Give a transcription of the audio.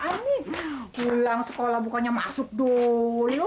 ini kebiasaan nih ulang sekolah bukannya masuk dulu